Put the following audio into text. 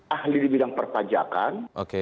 ahli di bidang perpajakan